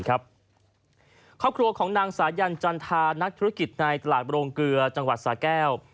ครอบครัวของนางสายันจันทานักธุรกิจในตลาดโรงเกลือจังหวัดสาแก้ว